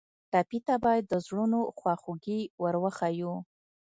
ټپي ته باید د زړونو خواخوږي ور وښیو.